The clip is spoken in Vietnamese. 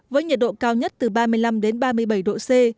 với nhiệt độ cao nhất từ ba mươi năm đến ba mươi bảy độ c